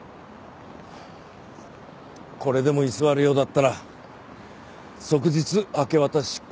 これでも居座るようだったら即日明け渡し執行をするだけだ。